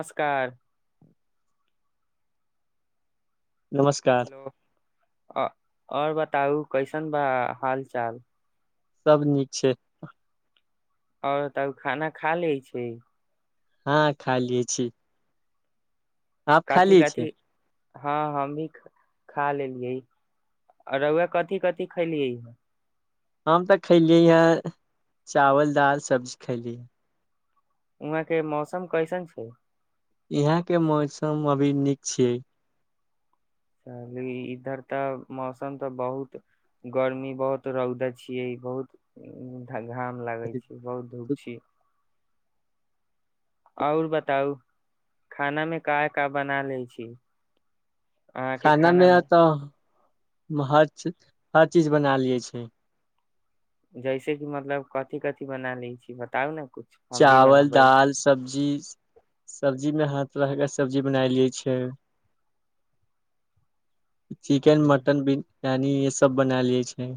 नमस्कार नमस्कार हेलो आओर बात ताउ कैसन बा हाल चाल सभ नीक छै आओर तब खाना खा लै छी हँ खा लिए छी आप खा कथि लै कथि छै हँ हम भी खा लेलियै रौआ कथि कथि खैलियै ह हम तऽ खयलियै हे चावल दाल सब्जी खयली उहाँ के मौसम कैसन छै यहाँके मौसम अभी नीक छै इधर तऽ मौसम तऽ बहुत गर्मी बहुत रौद छियै बहुत आ घाम लागै छी बहुत धूप छी आओर बताउ खाना मे का का बना लै छी अहाँके खाना खानामे मे तऽ हर चज हर चीज बना लिये छै जैसे कि मतलब कथि कथि बना लै छी बताउ ने कुछ हम भी चावल बनबै दाल सब्जी सब्जीमे ह तरहके सब्जी बनायलै छियै चिकेन जी मटन बि नानी इहे सब बना ले छै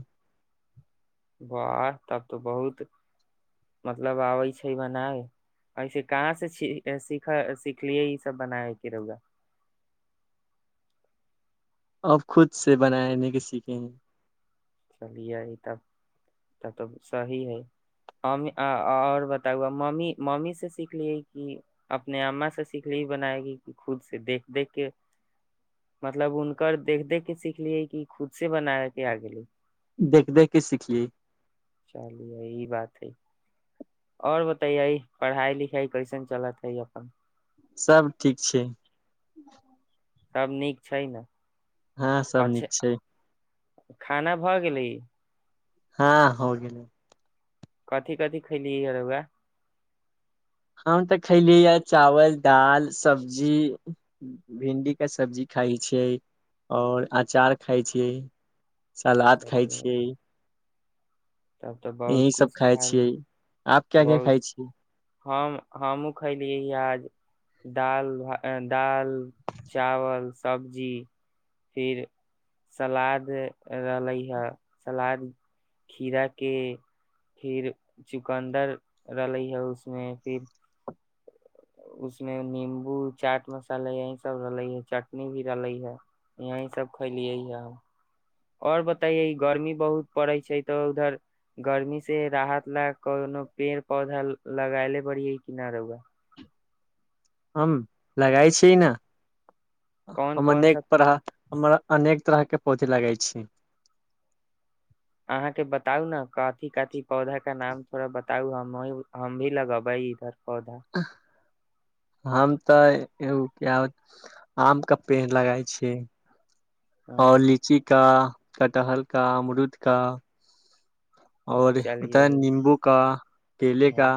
वाह तब तऽ बहुत मतलब आबै छै बनाय ऐसे कहाँसे सिख सिखलियै ईसभ बनायके रौआ अब खुद से बनाय के सीखे हैं चलिये ई तब तब तऽ सही है हम आओर बताबू् मम्मी मम्मी से सिखलियै कि अपने अम्मा से सिखलिय बनायके खुद से देख देख के मतलब हुनकर देख देख के सिखलियै कि खुद से बनायके आ गेली देख देख कऽ सिखलियै चलियै ई बात है आओर बताइए पढ़ाई लिखाई कैसन चलत हइ अपन सभ ठीक छै सभ नीक छै ने हँ सब अच्छा नीक छै खाना भऽ गेलै हँ हो गेल कथि कथि खेलिय है रौआ हम तऽ खयलीए यै चावल दाल सब्जी भिंडीके सब्जी खाइ छियै आओर अचार खाइ छियै सलाद खाइ चल छियै तब तऽ बहुत यही सब कुछ खाइ खाय लै छियै आप क्या क्या खाइ छी हम हमहुँ खैलियै आज दाल दाल चावल सब्जी फिर सलाद रहले हे सलाद खीरा के फिर च दुकन्दर रहलै है उसमे फिर उसमे निम्बू चाट मसाला यही सब रहलै ह चटनी भी रहलै है यही सब खैलियै हे आओर बताैयए गर्मी बहुत पड़ै छै तऽ उधर गर्मी से राहत ल कोनो पेड़ पौधा लगायले पड़िय कि नहि रौआ हम लगाय छिय ने कौन हमर कौन नेक सा पर हमर अनेक तरह के पौधी लगा छी अहाँके बताउ ने कथिी कथी पौधा के नाम थोड़ा बताउ हम हम भी लगेबे इधर पधा हम तऽ एगो क आम के पेड़ लगाइ छियै हँ आओर लीची का कटहल का मरूद का और चलिए होताै नीमबू का केले हाँ, का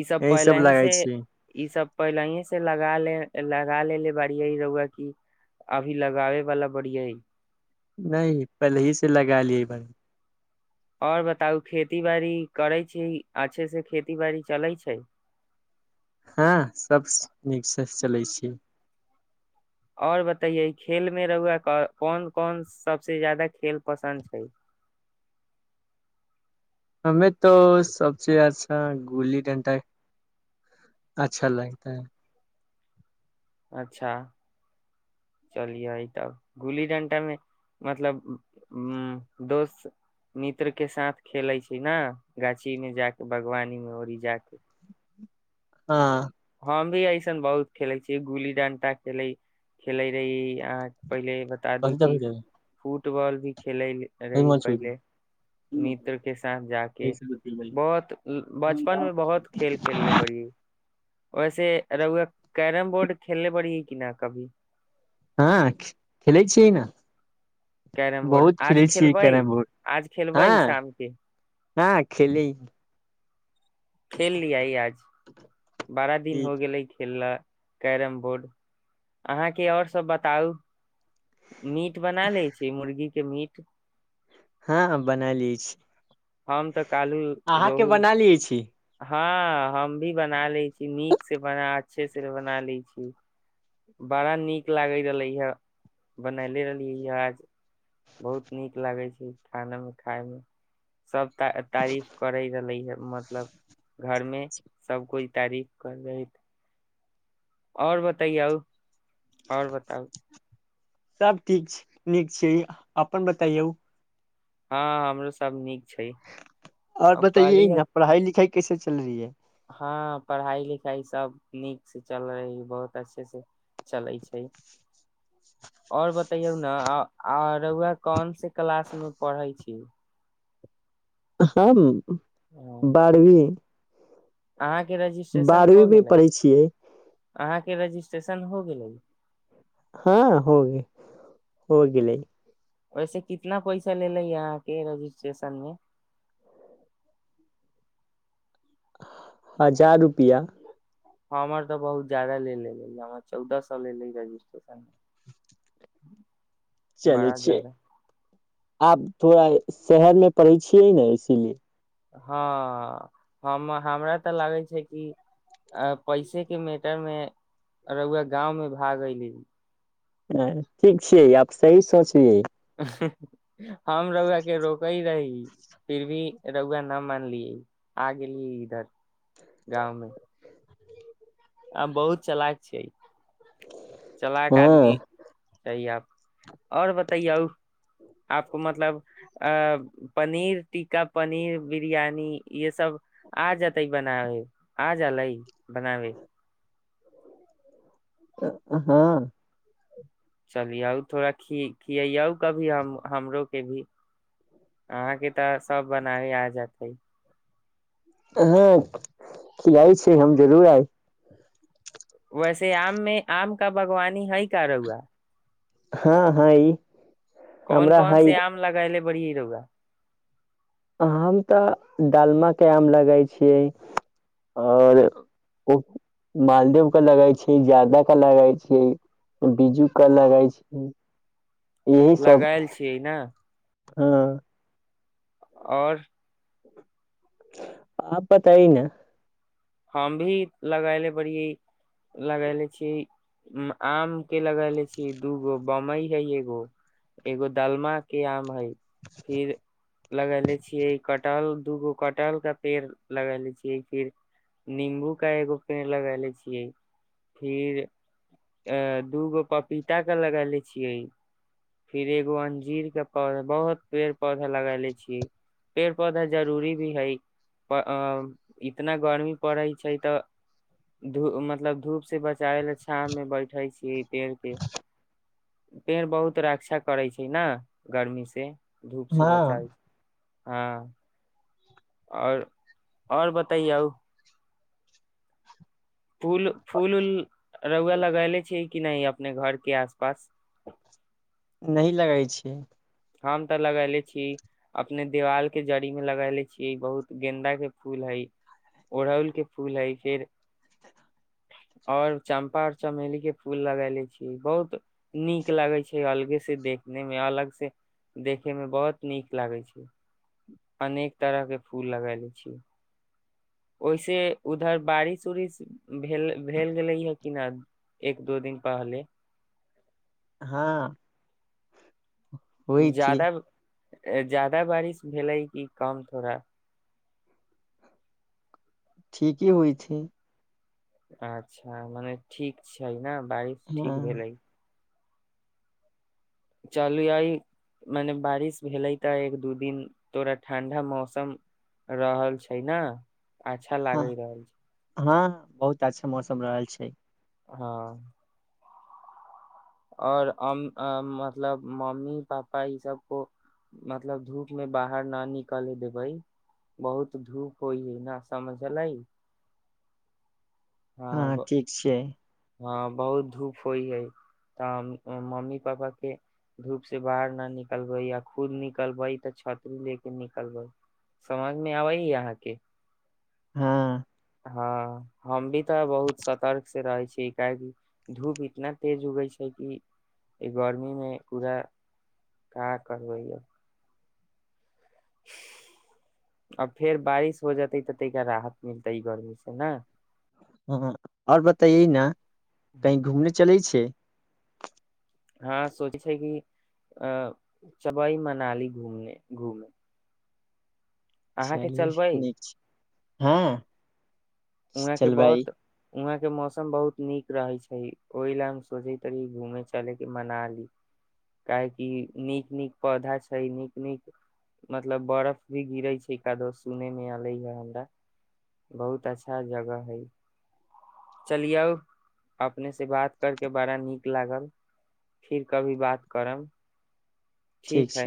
ई सब यही पहिले ही लगाइ से छी ई सब पहिलहि से लग ले लगा लेलेे बड़िी रहौआ क अभी लगाबे बाला बड़ििया ह नहि पलहिी से लगा लिय बने आओर बताउ खेती बाड़ी करै छी अच्छे से खेती बाड़ी चलै छै हँ सभ नीकसँ चलै छी आओर बतइयए खेल मे रहुआ कोन कोन सबस जादा खेल पसन्द छै हमे तो सबसँे अच्छा गुल्ली डंटाा अच्छा लगता है अच्छा चलििय तब गुल्ली डंटामे मतलब उ दोस्त मित्रके साथ खेलै छै ने गाछीमे जााकऽ बागवानी मे ओरी जााकऽ ह [unintelligible] हम भी ऐसन बहुत खेले छीियै गुल्ली डंटा खेले खेले रही आ पहिले बता दू कि फू फुटबाली [unintelligible] खेलै रही पहिले मित्र के साथ जााक बहुत बचपन मे बहुत खेल खेलले पै वैसे रघुआ कैरम बोर्ड खेलने पड़ी है कि न कभी हँ खेलै छिय ने कैरम बोर्ड बहुत आज खेलै छियै कैरम बोर्ड खेलबह आज खेलब ह हँ शामके हँ खेल खेलेल लइ आज बारा दिन ठीक हो गेलै खेलला कैरम बोर्ड अहाँके आओर सब बताउ मीट बना लै छी मुर्गी के मीट [unintelligible] हँ बना लिय छी हम तऽ कालू अहाँके रहू बना लियै छी हँ हम भी बना ले छी नीक से बना अच्छे से बना ले छी बड़ा नीक लागे रहले ह बनले रहलियै य आज बहुत नीक लागै छै खाना मे खााय मे सब त तारीफ करे रहले हे मतलब घरमे सब कोइ तारीफ कर दैत आओर बताइए आउ आओर बताउ सब ठीक छै नीक छै अपन बतयौ हँ हमरो सब नीक छै आओर अब बताइयए कहली ह न पढ़ाई लिखाइ कैसे चल रहीै हँ पढ़ाई लिखाई सब नीक से चल रहै बहुत अच्छे से चलै छै ओर बतैयौ ने अरहुआ कोौन से क्लास मे पढ़ै छी ह बारवी अहाँके रजिस्ट्रेशन हो में गेलै पढ़े छियै अहाँके रजिस्ट्रेशन हो गेलै हँ हगे होग लै वैसे कितना पैसा ले ले यहके रजिस्ट्रेशन मे हजार रुपआ हमर तऽ बहुत जाददा ले लेल हमर चौदह सए लेले रजिस्ट्रेशन चले बड़ा छै जदा आब थोड़ा शहर मे पढ़ै छियै ने इसीलिए हँ हम हमरा तऽ लागै छै कि अ पैसे के मैटर मे रुआ गाँवमे भाग अयली ह ठीक छैियै आब सही सोचलियै हम रौआ के रोकै रही फिर भी रौआ न मानलियै आ गेलियै इधर गाँव मे आ बहुत चलाक छै चला क आदमी हँ चहिए आप आओर बताै आपको मतलब अ पनीर टिक्ा पनीर बिरयानी ये सब आ जेतै बनावे आजालै बनावै हँ चलि आउ थोड़ा खी खिय आउ कभी हम हमरो भी अहाँके तऽ सब बनाबे आ जेतै हँ कियाइ छी हम जरूर आइ वैसे आम मे आम का बागवानी हई कार हआ हँ ह कोन कोन से आम लगाय ले बढ़ि रहगा हम तऽ डालमाक के आम लगाई छियै आओर ओ मालदेव के लगाई छियै जाादाक के लगाई छियै बिीजू के लगाई छीियै लगायल छियै ने हँ आओर आ पता ह ने हम भी लगैले पियै लगैले छी आम के लगले छी दूगो बम्बई हई एगो एगो दलमा के आम हई फिर लगले छियै कटहल दूगो कटहल का पेड़ लगले छियै फिर नींबू क एगो पेड़ लगा ले छियै फिर दूगो पपीता के लगा ले छियै फिर एगो अंजीर के पौधा बहुत पेड़ पौधा लगा ले छियै पेड़ पौधा जरूरी भी है इतना गर्मी पड़ै छै तऽ धू मतलब धूप से बचाबै ल छाँव मे बैठे छी पेड़ के पेड़ बहुत रक्षा करै छै ने गर्मी से धूप से हँ बचाइ [unintelligible] हँ आओर आओर बताइए आउ पूल पूल [unintelligible] रौआ लगले छी कि नहि अपने घर के आस पास न लगै छिय हम तऽ लगैले छी अपने देीवाल के जड़ी में लगले छीियै बहुत गेन्दा के फूल हय ओड़ल के फूल हइ फेर और चम्पा आऔर चमेली के फूल लगले छी बहुत नीक लगे छै अलगे से देखने मे अलग से देखेमे बहुत नीक लागै छै अनेक तरह के फूल लगा ले छियै ओहिसे उधर बारिश उड़ भेल भेल गेलै या की न एक दो दिन पहल हँ जदा ज्यादा बारिश भेलै कि कम थोड़ा ठीके होइ छै अच्छा मने ठीक छै ने बारिश हाँ ठीक भेलै चलू अइ मने बारिश भेलै तऽ एक दू दिन तोरा ठं्डा मौसम रहल छै ने अच्छा लागि रहल छै हँ बहुत अच्छा मौसम रहल छै हँ ओर मतलब मम्मी पापा ई सब को मतलब धूप मे बाहर न निकले देबै बहुत धूप होइ है न समझले हँ ठीक छै हँ बहुत धूप होइ है तऽ मम्मी पापा के धूप से बाहर न निकलबे आ खुद निकलबै तऽ छतरीू ले के निकलबै समझ मे आबे है अहाँके हँ हँ हम भी तऽ बहुत सतर्क से रहै छीिय काहेकि धूप इतना तेज उगै छै कि गर्मी मे पूरा क करबैया आ फेर बारिश हो जेतै तऽ तैरा राहत मिलतै गर्मी से ने हँ आओर बता ने कही घूमने चलैत छै [unintelligible] हँ सोचै छै कि अ चबई मनााली घूमने घूमे अहाँके चलिय चलबै हँ उहके बहुत वहाँ के मौसम बहुत नीक रहे छै ओहि ल हम सोचैत री घूमे चले के मनाली काहेकि नीक नीक पौधा छै नीक नीक मतलब बर्फ भी गिरे छै कादो सुने मे अले है हमरा बहुत अच्छा अच्छा जगह है चलियौ अपने से बात करके बड़ा नीक लागल फिर कभी बात करब ठीक है